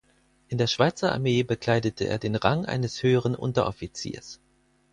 In der Schweizer Armee bekleidete er den Rang eines höheren Unteroffiziers.